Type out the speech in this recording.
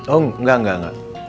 oh enggak enggak enggak